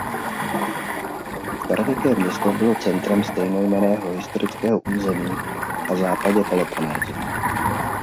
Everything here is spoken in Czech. Starověké město bylo centrem stejnojmenného historického území na západě Peloponésu.